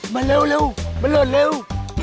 มาเร็วมาโหลดเร็ว